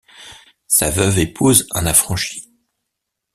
Sa veuve épouse un affranchi.